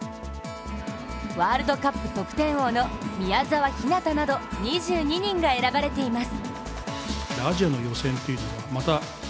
ワールドカップ得点王の宮澤ひなたなど２２人が選ばれています。